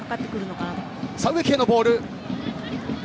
植木へのボール。